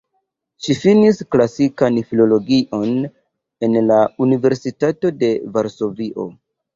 Ŝi finis klasikan filologion en la Universitato de Varsovio.